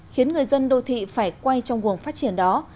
khiến người dân đô thị phải quay trong nguồn phát triển đó